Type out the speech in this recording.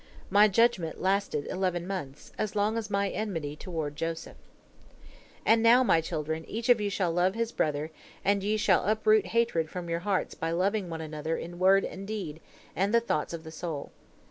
My judgment lasted eleven months, as long as my enmity toward Joseph. "And now, my children, each of you shall love his brother, and ye shall uproot hatred from your hearts by loving one another in word and deed and the thoughts of the soul.